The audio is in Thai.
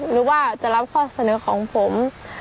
หรือว่าจะรับข้อเสนอของผม